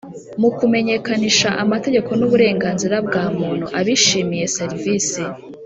Mu kumenyekanisha amategeko n uburenganzira bwa muntu abishimiye serivisi